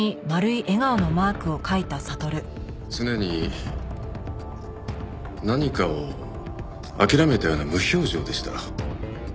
常に何かを諦めたような無表情でした。